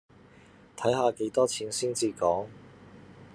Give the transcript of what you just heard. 睇下幾多錢先至講